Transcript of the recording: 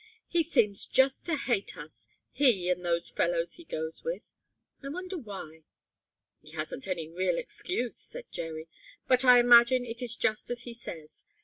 "He seems just to hate us he and those fellows he goes with. I wonder why?" "He hasn't any real excuse," said Jerry, "but I imagine it is just as he says.